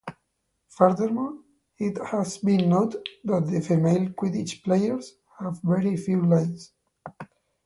Furthermore, it has been noted that the female Quidditch players have very few lines.